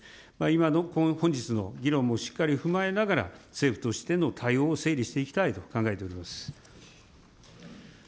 今の、本日の議論もしっかり踏まえながら、政府としての対応を整理していきたいと考えております。